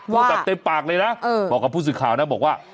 พูดแบบเต็มปากเลยนะบอกกับผู้สื่อข่าวนะบอกว่า